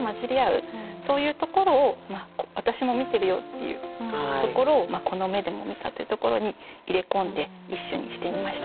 そういうところを私も見てるよっていうところを「この目でも見た」というところに入れ込んで一首にしてみました。